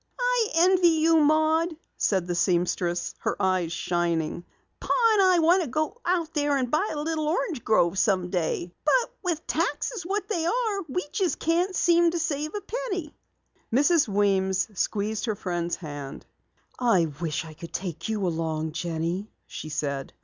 "I envy you, Maud," said the seamstress, her eyes shining. "Pa and I want to go out there and buy a little orange grove someday. But with taxes what they are, we can't seem to save a penny." Mrs. Weems squeezed her friend's hand. "I wish I could take you along, Jenny," she said.